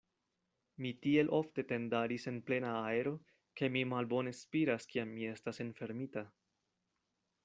Mi tiel ofte tendaris en plena aero, ke mi malbone spiras, kiam mi estas enfermita.